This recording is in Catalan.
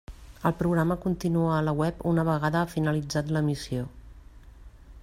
El programa continua a la web una vegada ha finalitzat l'emissió.